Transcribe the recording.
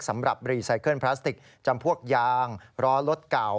สำหรับรีไซเคิลพลาสติกจำพวกยางล้อรถเก่า